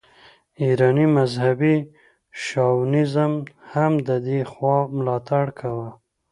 ایراني مذهبي شاونیزم هم د دې خوا ملاتړ کاوه.